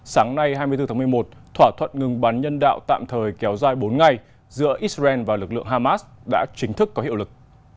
sáng nay hai mươi bốn tháng một mươi một thỏa thuận ngừng bắn nhân đạo tạm thời kéo dài bốn ngày giữa israel và lực lượng hamas đã chính thức có hiệu lực